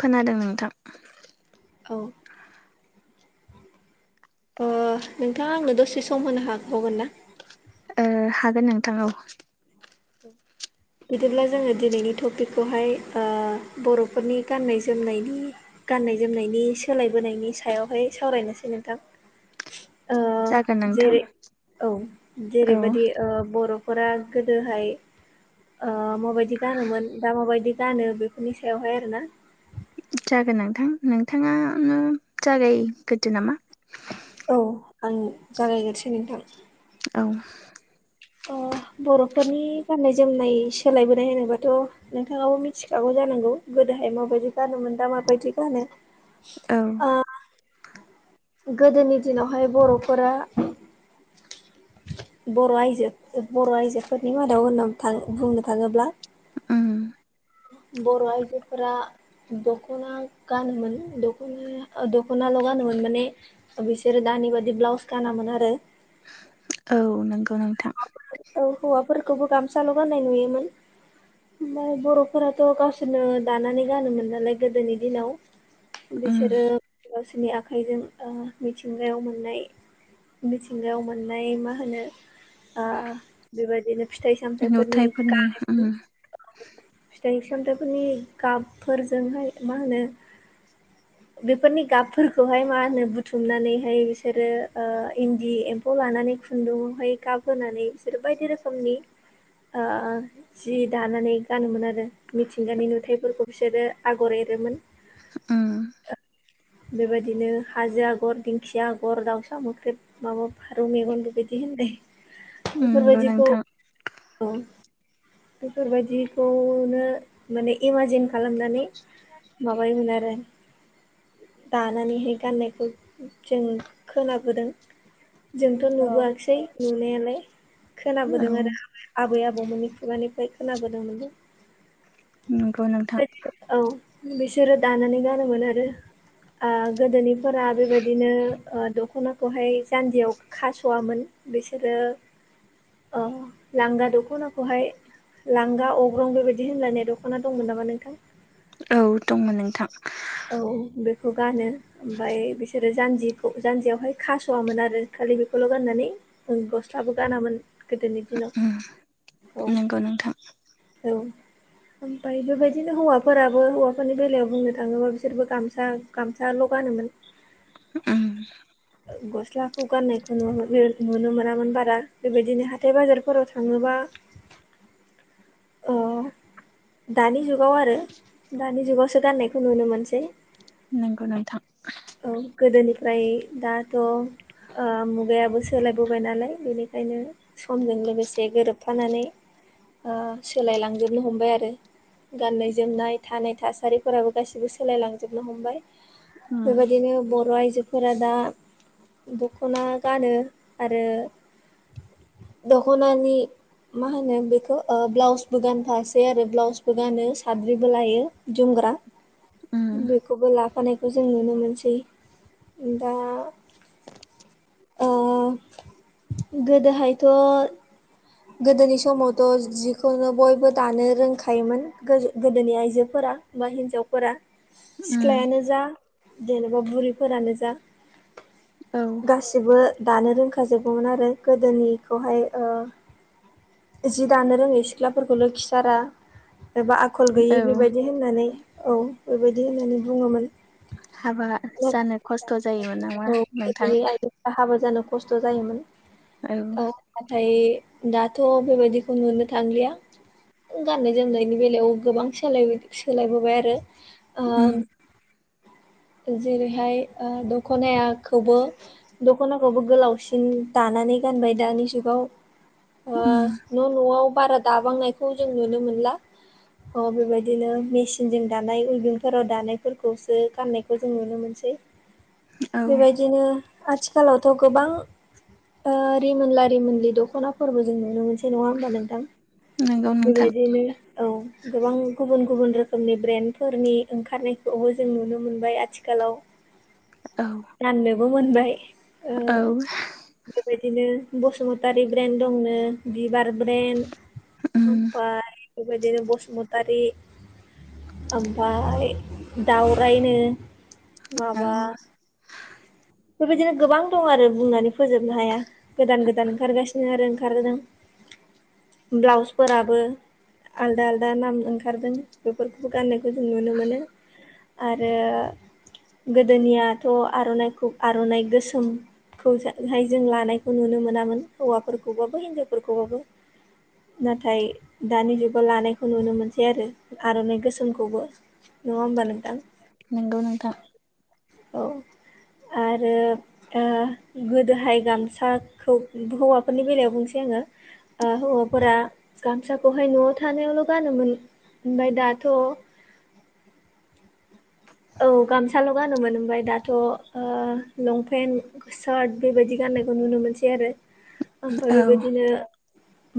खोनादों नोंथां औ ओ नोंथाङा आंनो दसे सम होनो हाबावगोन ना ओ हागोन नोंथां औ बिदिब्ला जोङो दिनैनि टपिकखौहाय ओ बर'फोरनि गाननाय जोमनायनि गाननाय जोमनायनि सोलायबोनायनि सायावहाय सावरायनोसै नोंथां ओ जागोन नोंथां जेरै औ औ जेरैबायदि ओ बर' फोरा गोदोहाय ओ माबायदि गानोमोन दा माबायदि गानो बेफोरनि सायावहाय आरो ना जागोन नोंथां नोंथाङानो जागायग्रोदो नामा औ आं जागायग्रोसै नोंथां औ अ बर'फोरनि गाननाय जोमनाय सोलायबोनाय होनोबाथ' नोंथाङाबो मिथिखागौ जानांगौ गोदोहाय माबादि गानोमोन दा माबायदि गानो औ ओ गोदोनि दिनावहाय बर'फोरा बर' आइजो बर' आयजोफोरनि मादाव होननानै बुंनो थाङोब्ला उम बर' आइजोफोरा दख'ना गानोमोन दखना दख'नाल' गानोमोन माने बिसोरो दानि बादि ब्लाउस गानामोन आरो औ नंगौ नोंथां औ हौवाफोरखौबो गामसाल' गाननाय नुयोमोन ओमफ्राय बर'फोराथ' गावसोरनो दानानै गानोमोन नालाय गोदोनि दिनाव उम बिसोरो गावसोरनि आखाइजों ओ मिथिंगायाव मोननाय मिथिंगायाव मोननाय मा होनो ओ बेबायदिनो फिथाइ सामथायफोरनि नुथायफोरनि उम गानायखौ फिथाइ सामथाइफोरनि गाबफोरजोंहाय मा होनो [inaudible] बेफोरनि गाबफोरखौहाय मा होनो बुथुमनानैहाय बिसोरो ओ इनदि एम फौ लानानै खुनदुङावहाय गाब होनानै बिसोरो बायदि रोखोमनि जि दानानै गानोमोन आरो मिथिंगानि नुथायफोरखौ बिसोरो आगर एरोमोन उम ओ बेबायदिनो हाजो आगर दिंखिया आगर दाउसा मोख्रेब माबा फारौ मेगन बेबायदि होननाय उम नंगौ बेफोरबायदिखौ नोंथां औ बेफोरबायदिखौनो माने इमाजिन खालामनानै माबायोमोन आरो दानानैहाय गाननायखौ जों खोनाबोदों जोंथ' औ नुबोआखैसै नुनायालाय खोनाबोदों औ आरो आबै आबौमोननि खुगानिफ्राय खोनाबोदोंमोन नोंगौ नोंथां औ बिसोरो दानानै गानोमोन आरो ओ गोदोनिफोरा बेबायदिनो दखनाखौहाय जानजियाव खास'वामोन बिसोरो लांगा ओ दखनाखौहाय लांगा अग्रं बेबायदि होनलायनाय दखना दंमोन नामा नोंथां औ दंमोन नोंथां औ बेखौ गानो ओमफ्राय बिसोर आरो जान्जिखौ जान्जियावहाय खास'वामोन आरो खालि बेखौल' गाननानै गस्लाबो गानामोन गोदोनि उम दिनाव औ नंगौ नोंथां औ ओमफ्राय बेबायदिनो हौवाफोराबो हौवाफोरनि बेलायाव बुंनो थाङोब्ला बिसोरबो गामसा गामसाल' गानोमोन उम गस्लाखौ गाननायखौ नुवामोन ओ नुनो मोनामोन बारा बेबायदिनो हाथाय बाजारफोराव थाङोबा ओ [inaudible] दानि जुगाव आरो दानि जुगावसो गाननायखौ नुनो मोनसै नोंगौ नोंथां औ गोदोनिफ्राय दाथ' ओ मुगायाबो सोलायबोबाय नालाय बेनिखायनो समजों लोगोसे गोरोबफानानै ओ सोलायलांजोबनो हमबाय आरो गाननाय जोमनाय थानाय थासारिफोराबो गासिबो सो सोलायलांजोबनो हमबाय उम बेबायदिनो बर' आइजो फोर दा दखना गानो आरो दखनानि मा होनो बेखौ ओ ब्लाउसबो गानफासै आरो ब्लाउसबो गानो साद्रिबो लायो जुमग्रा उम बेखौबो लाफानायखौ जों नुनो मोनसै दा अ गोदोहायथ' गोदोनि समावथ' जिखौनो बयबो दानो रोंखायोमोन गोदोनि आइजोफोरा बा हिन्जावफोरा उम सिख्लायानो जा जेनेबा बुरिफोरानो जा औ गासै जेबो दानो रोंखाजोगौमोन आरो गोदोनिखौहाय ओ जि दानो रोङै सिख्लाफोरखौल' लोक्षिसारा एबा खल औ गैयि बेबायदि होननानै औ बेबायदि होननानै बुङोमोन हाबा औ जानो खस्थ' जायोमोन नामा नोंथां बा जानो खस्थ' जायोमोन औ नाथाय दाथ' बेबायदिखौ नुनो थांलिया गाननाय जोमनायनि बेलायाव गोबां सोलाय सोलायबोबाय आरो ओ उम जेरैहाय ओ दखनाया खौबो दखनाखौबो गोलावसिन दानानै गानबाय दानि जुगाव ओ उम न' न'वाव बारा दाबांनायखौ जों नुनो मोनला अ बेबायदिनो मेसिनजों दानाय उइबिं फोराव दानायफोरखौसो गाननायखौ जों नुनो मोनसै औ बेबायदिनो आथिखालावथ' गोबां ओ रिमोनला रिमोनलि दखनाफोरबो जों नुनो मोनासै सै नङा ओमबा नोंथां नंगौ नोंथां बेबायदिनो औ गोबां गुबुन गुबुन रोखोमनि ब्रेन्डफोरनि ओंखारनायखौबो जों नुनो मोनबाय आथिखालाव औ गाननोबो मोनबाय ओ औ बेबायदिनो बसुमतारि ब्रेन्ड दंनो बिबार ब्रेन्ड उम ओमफाय बेबायदिनो बसुमतारी ओमफाय फाय दावरायनो औ माबा बेबायदिनो गोबां दं आरो बुंनानै फोजोबनो हाया। गोदान गोदान ओंखारगासिनो आरो ओंखारदों ब्लाउसफोराबो आलदा आलदा नाम ओंखारदों बेफोरखौबो गाननायखौ जों नुनो मोनो आरो गोदोनियाथ' आर'नाइखौ आर'नाइ गोसोम खौहाय जों लानायखौ नुनो मोनामोन हौवाफोरखौबाबो हिनजावफोरखौबाबो नाथाय दानि जुगाव लानायखौ नुनो मोनसै आरो आर'नाइ गोसोमखौबो नङा होनबा नोंथां नोंगौ नोंथां औ आरो ओ गोदोहाय गामसाखौ हौवाफोरनि बेलायाव बुंसै आङो ओ हौवाफोरा गामसाखौहाय न'आव थानायावल' गानोमोन ओमफ्राय दाथ' [inaudible] औ गामसाल' गानोमोन ओमफ्राय दाथ' ओ लंपेन्ट सार्ट बेबायदि गाननायखौ नुनो मोनसै आरो ओमफ्राय औ बेबायदिनो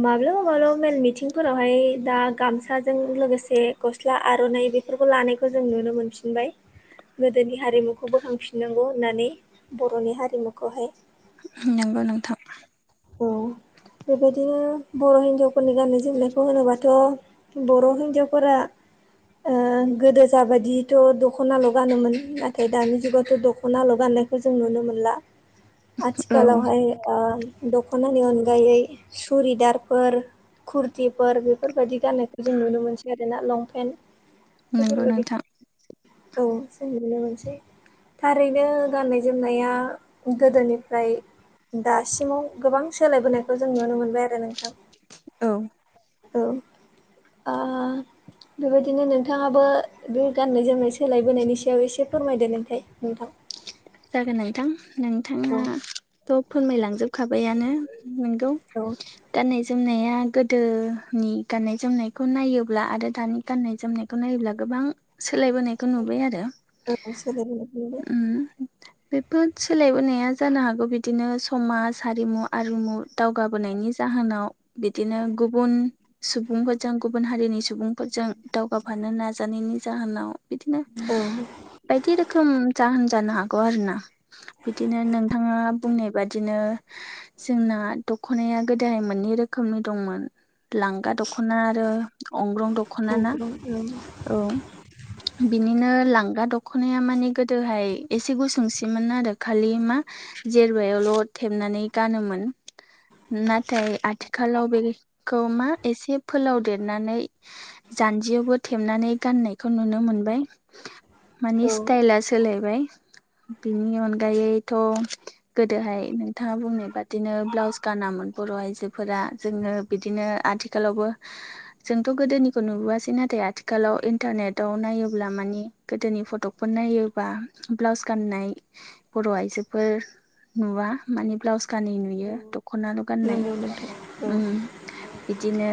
माब्लाबा माब्लाबा मेल मिथिंफोर फ्राहाय दा गामसाजों लोगोसे गस्ला आर'नाइ बेफोरखौ लानायखौ जों नुनो मोनफिनबाय गोदोनि हारिमुखौ बोखांफिननांगौ होननानै बर'नि हारिमुखौहाय नोंगौ नोंथां औ बेबायदिनो बर' हिनजावफोरनि गाननाय जोमनायखौ होनोबाथ' बर' हिनजावफोरा ओ गोदो जाबायदिथ' दख'नाल' गानोमोन नाथाय दानि जुगावथ' दख'नाल' गाननाय खौ जों नुनो मोनला [inaudible] औ आथिखालावहाय ओ दख'नानि अनगायै सुरिदारफोर कुर्तिफोर बेफोरबायाददि गाननायखौ जों नुनो मोनसै आरो ना लंपेन्ट नंगौ बेफोरबायदि नोंथां औ जों नुनो मोनसै थारैनो गाननाय जोमनाया गोदोनिफ्राय दासिमाव गोबां सोलायबोनायखौ जों नुनो मोनबाय आरो नोंथां औ औ आ बेबायदिनो नोंथाङाबो बे गाननाय जोमनाय सोलायबोनायनि सायाव एसे फोरमायदो [unintelligible] नोंथां जागोन नोंथां औ नोंथाङाथ' फोरमायलांजोबखाबायानो नोंगौ औ गाननाय जोमनाया गोदोनि गाननाय जोमनायखौ नायोब्ला आरो दानि गाननाय जोमनाय खौ नायोब्ला गोबां सोलायबोनायखौ नुबाय आरो औ सोलायबोनायखौ नुबाय। उम बेफोर सोलायबोनाया जानो हागौ बिदिनो समाज हारिमु आरुमु दावगाबोनायनि जाहोनाव बिदिनो गुबुन सुबुंफोरजों गुबुन हारिनि सुबुंफोरजों दावगाफानो नाजानायनि जाहोनाव बिदिनो औ बायदि रोखोम जाहोन जानो हागौ गौ आरोना बिदिनो नोंथाङा बुंनाय बादिनो जोंना दख'नाया गोदोहाय मोननै रोखोमनि दंमोन लांगा दख'ना आरो अंग्रं दख'ना ना गोबां ओं औ। बिनिनो लांगा दख'नाया माने गोदोहाय एसे गुसुंसिमोन आरो खालि मा जेरबायावल' थेबनानै गानोमोन। नाथाय आथिखालाव बेखौ मा एसे फोलाव देरनानै जानजियावबो थेबनानै गाननायखौ नुनो मोनबाय। मानि औ स्टाइला सोलायबाय बिनि अनगायैथ' गोदोहाय नोंथाङा बुंनाय बादिनो ब्लाउस गानामोन बर' आइजोफोरा जोङो बिदिनो आथिखालावबो जोंथ' गोदोनिखौ नुबोआसै नाथाय आथिखालाव इन्टारनेटाव नायोब्ला मानि गोदोनि फटकफोर नायोबा ब्लाउस गाननाय बर' आइजोफोर नुवा माने ब्लाउस गानै नुयो दख'नाल' गाननाय नंगौ नोंथां उम इदिनो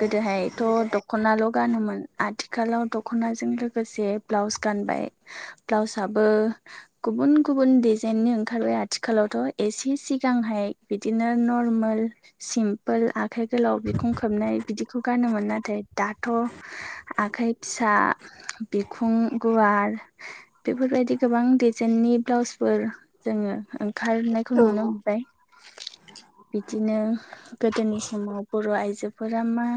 गोदोहायथ' दख'नाल' गानोमोन आथिखालाव दख'नाजों लोगोसे ब्लाउस गानबाय ब्लाउसाबो गुबुन- गुबुन डजाइननि ओंखारबाय आथिखालावथ' एसे सिगांहाय बिदिनो नर्मेल सिमपोल आखाइ गोलाव बिखुं खोबनाय बिदिखौ गानोमोन नाथाय दाथ' आखाइ फिसा बिखुं गुवार बेफोर बायदि गोबां डजाइननि ब्लाउसफोर जोङो ओंखारनायखौ औ नुनो मोनबाय। बिदिनो गोदोनि समाव बर' आइजोफोरा मा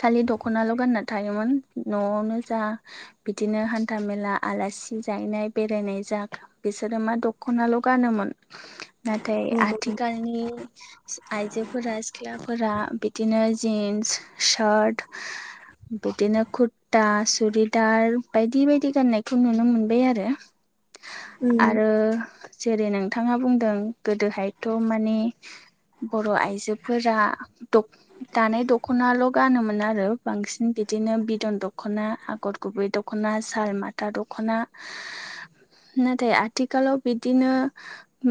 खालि दख'नाल' गानना थायोमोन न'आवनो जा बिदिनो हानथा मेला आलासि जाहैनाय बेरायनाय जाख बिसोरो मा दख'नाल' गानोमोन। नाथाय नंगौ आथिखालनि आइजोफोरा सिख्लाफोरा बिदिनो जिन्स, सार्ट बिदिनो कुर्ता, सुरिदार बायदि बायदि गाननायखौ नुनो मोनो। बे आरो उम आरो जेरै नोंथाङा बुंदों गोदोहायथ' माने बर' आइजोफोरा द दानाय दख'नाल' गानोमोन आरो बांसिन बिदिनो बिदन दख'ना आगर गुबै दख'ना, साल माथा दख'ना नाथाय आथिखालाव बिदिनो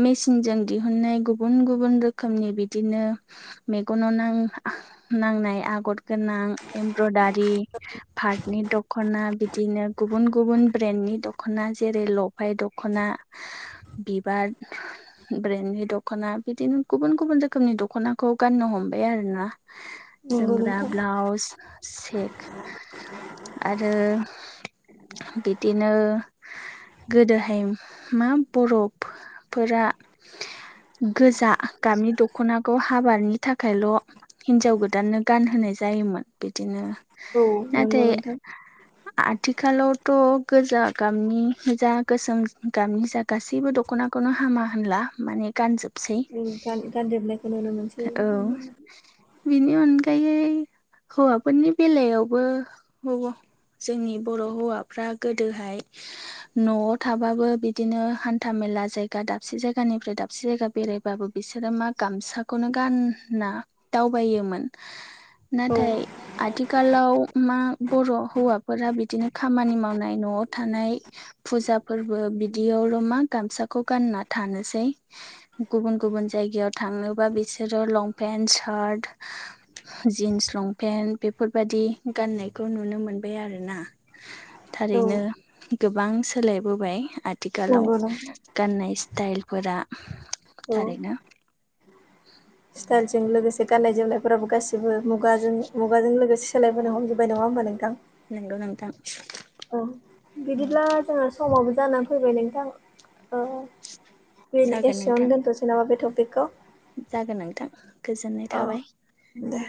मेचिनजों दिहुननाय गुबुन गुबुन रोखोमनि बिदिनो मेगनाव नां-नांनाय आगर गोनां एमब्रदारि पार्टनि दख'ना बिदिनो गुबुन गुबुन ब्रेन्डनि द ख'ना जेरै लफाय दख'ना, बिबार ब्रेन्डनि दख'ना बिदिनो गुबुन गुबुन रोखोमनि दख'नाखौ गाननो हमबाय आरो ना। नंगौ जोमग्रा नोंथां ब्लाउस सेक आरो बिदिनो गोदोहाय मा बर'फोरा गोजा गाबनि दख'नाखौ हाबानि थाखायल' हिनजाव गोदाननो गानहोनाय जायोमोन बिदिनो औ नंगौ नाथाय नोंथां आथिखालावथ' गोजा गामनि जा गोसोम गामनि जा गासैबो दख'नाखौनो हामा होनला माने गानजोब गान गानजोबनायखौ नुनो मोनसै औ बिनि अनगायै हौवाफोरनि बेलायावबो जोंनि बर' हौवाफ्रा गोदोहाय [inaudible] न'आव थाबाबो बिदिनो हान्था मेला जायगा दाबसे जायगानिफ्राय दाबसे जायगा बेराय बाबो बिसोरो मा गामसाखौनो गानना दावबायोमोन औ नाथाय आथि खालाव मा बर' हौवाफोरा बिदिनो खामानि मावनाय न'आव थानाय फुजा फोरबो बिदियावल' मा गामसाखौ गानना थानोसै गुबुन गुबुन जायगायाव थांनोबा बिसोरो लंपेन्ट सार्ट जिन्स लंपेन्ट बेफोरबायादि गाननायखौ नुनो मोनबाय आरोना औ थारैनो गोबां सोलायबोबाय आथिखालाव नंगौ नोंथां गाननाय स्टाइलफोरा थारैनो स्टाइजों लोगोसे लोगोसे जे गाननाय जोमनायफोराबो गासिबो मुगाजों मुगाजों लोगोसे सोलायबोनो हमजोबबाय नङा होमबा नोंथां नोंगौ नोंथां औ बिदिब्ला जोंहा समावबो जानानै फैबाय नोंथां दिनै जागोन नोंथां एसेयावनो दोनथ'नोसै नामा बे टपिकखौ जागोन नोंथां गोजोननाय औ थाबाय दे